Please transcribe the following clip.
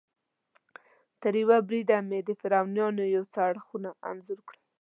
تریوه بریده مې د فرعونیانو یو څه اړخونه انځور کړل.